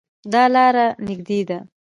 دا لار نږدې ده